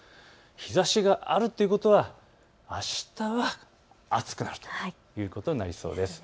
日ざしがあるということはあしたは暑くなるということになりそうです。